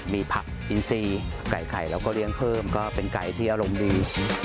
มีผักอินซีไก่ไข่แล้วก็เลี้ยงเพิ่มก็เป็นไก่ที่อารมณ์ดี